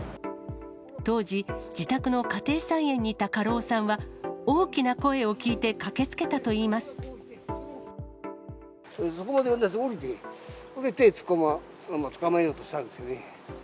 当時、自宅の家庭菜園にいた家老さんは、大きな声を聞いて駆けつけたといそこまで下りて、手をつかまえようとしたんですよね。